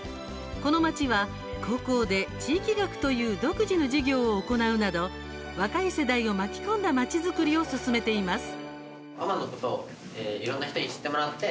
この町は高校で「地域学」という独自の授業を行うなど若い世代を巻き込んだ町づくりを進めています。